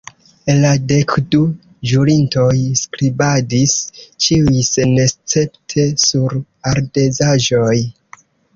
La dekdu ĵurintoj skribadis, ĉiuj senescepte, sur ardezaĵoj.